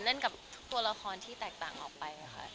เล่นกับทุกตัวละครที่แตกต่างออกไปค่ะ